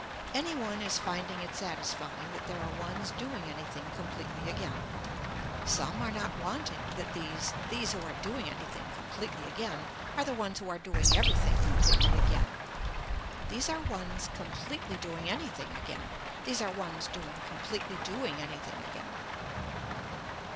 Any one is finding it satisfying that there are ones doing anything completely again. Some are not wanting that these, these who are doing anything completely again are the ones who are doing everything completely again. These are ones completely doing anything again. These are ones doing completely doing anything again.